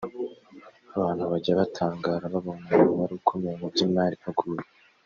Abantu bajya batangara babonye umuntu wari ukomeye mu by’Imana aguye